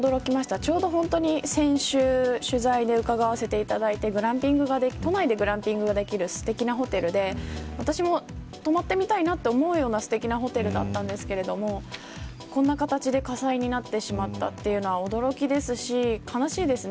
ちょうど先週取材で伺わせていただいて都内でグランピングができるすてきなホテルで私も泊まってみたいなと思うような、すてきなホテルだったんですけどこんな形で火災になってしまったというのは驚きですし悲しいですね。